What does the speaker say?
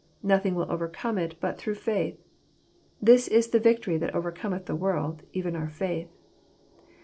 Nothing will overcome it but thorough faith. "This is the victory that overcometh the world, even our faith.